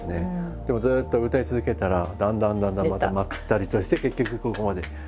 でもずっと歌い続けたらだんだんだんだんまたまったりとして結局ここまで。